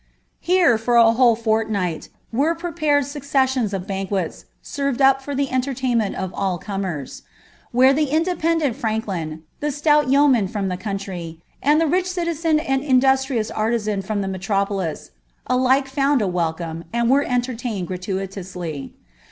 Here, for a whole foruii^t, wrm prepured BUceM8ion8 of banquets, iivrTpil ap for ilie entertainmeat of nil comers; where the itidependrnt franklin, the stout yeoman fiom lh<^ country, nnd the rich citizen and indnatrious ariizan fimn the raetto polis, alike found a welcome, and were entertained graluilously.